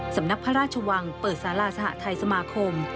สำนักพระราชวังเปิดสาราสหทัยสมาคม